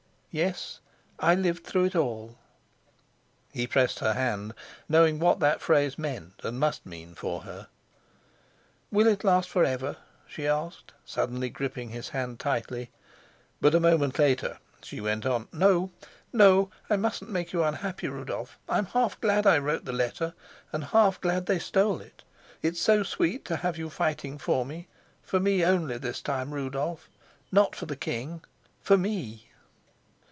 "Yes, I lived through it all." He pressed her hand, knowing what that phrase meant and must mean for her. "Will it last forever?" she asked, suddenly gripping his hand tightly. But a moment later she went on: "No, no, I mustn't make you unhappy, Rudolf. I'm half glad I wrote the letter, and half glad they stole it. It's so sweet to have you fighting for me, for me only this time, Rudolf not for the king, for me!"